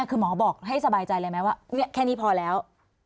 คือหมอบอกให้สบายใจเลยไหมว่าแค่นี้พอแล้ว